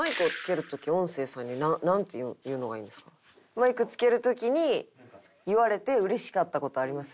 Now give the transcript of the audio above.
マイクつける時に言われてうれしかった事あります？